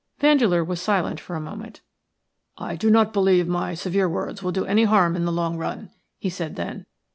Vandeleur was silent for a minute. "I do not believe my severe words will do any harm in the long run," he said, then.